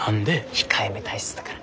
控えめ体質だから。